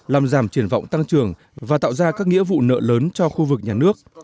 làm giảm triển vọng tăng trưởng và tạo ra các nghĩa vụ nợ lớn cho khu vực nhà nước